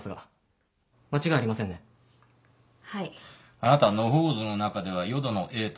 あなたは野放図の中では淀野瑛斗。